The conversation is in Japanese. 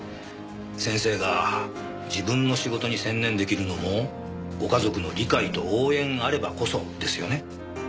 先生が自分の仕事に専念出来るのもご家族の理解と応援あればこそですよね。